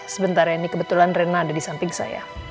sebentar ya ini kebetulan reina ada di samping saya